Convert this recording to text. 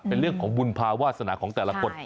เป็นเรื่องของบุญภาวาสนาของแต่ละคน